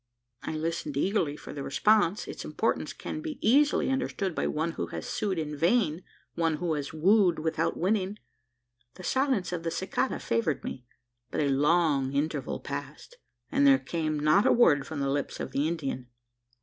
I listened eagerly for the response. Its importance can be easily understood by one who has sued in vain one who has wooed without winning. The silence of the cicada favoured me; but a long interval passed, and there came not a word from the lips of the Indian.